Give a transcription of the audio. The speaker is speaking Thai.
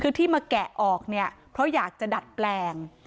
คือที่มาแกะออกเนี่ยเพราะอยากจะดัดแปลง